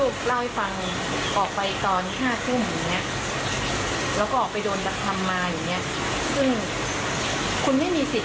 คุณแม่เรขอออกจากสถาบันได้เลย